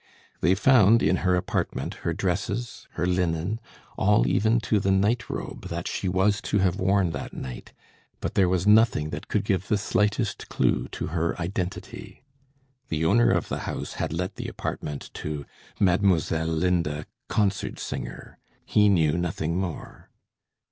They found in her apartment her dresses, her linen, all even to the night robe that she was to have worn that night, but there was nothing that could give the slightest clue to her identity. The owner of the house had let the apartment to 'Mademoiselle Linda, concert singer,' He knew nothing more.